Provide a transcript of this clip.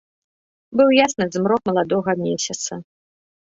Быў ясны змрок маладога месяца.